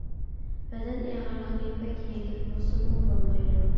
بەدەن ئېغىرلىقى بەك يەڭگىل بولسىمۇ بولمايدۇ.